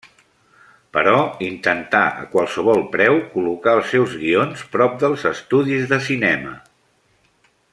Però intenta a qualsevol preu col·locar els seus guions prop dels estudis de cinema.